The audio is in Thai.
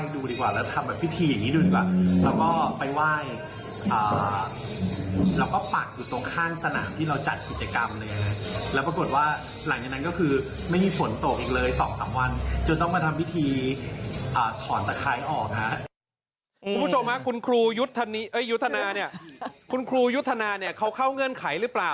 เดี๋ยวมันต้องเล่าละเอียดขนาดนั้นเหรอ